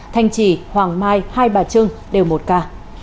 thanh trì hoàng mai hai bà trưng đều một ca